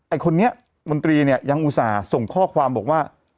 ไอ้คนนี้มนตรีเนี่ยยังอุตส่าห์ส่งข้อความบอกว่า